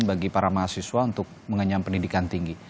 bagi para mahasiswa untuk mengenyam pendidikan tinggi